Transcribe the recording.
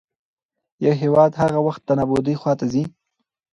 يـو هـيواد هـغه وخـت د نـابـودۍ خـواتـه ځـي